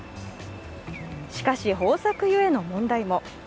しかし、豊作ゆえの問題も。